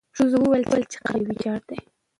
ښځو وویل چې قبر یې ویجاړ دی.